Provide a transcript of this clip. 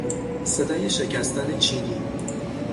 صدای شکستن چینی